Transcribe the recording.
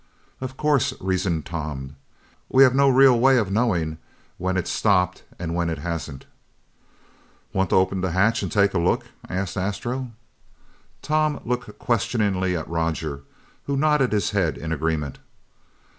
"Of course," reasoned Tom, "we have no real way of knowing when it's stopped and when it hasn't." "Want to open the hatch and take a look?" asked Astro. Tom looked questioningly at Roger, who nodded his head in agreement.